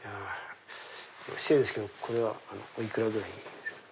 失礼ですけどこれはお幾らぐらいですか？